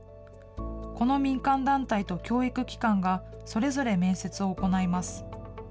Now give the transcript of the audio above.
この民間団体と教育機関がそれぞれ面接を行います。